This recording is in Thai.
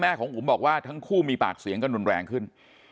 ของอุ๋มบอกว่าทั้งคู่มีปากเสียงกันรุนแรงขึ้น